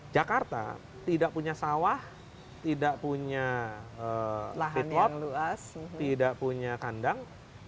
jakarta tidak punya sawah tidak punya lahan tidak punya kandang